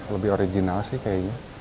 lebih original sih kayaknya